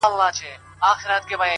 لوڅ لپړ پاچا روان لكه اشا وه!!